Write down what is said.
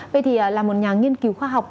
vậy thì là một nhà nghiên cứu khoa học